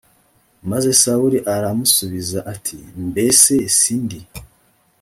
maze sawuli aramusubiza ati mbese sindi